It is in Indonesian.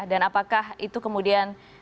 dan apakah itu kemudian